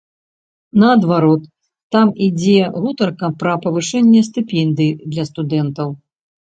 Наадварот, там ідзе гутарка пра павышэнне стыпендый для студэнтаў.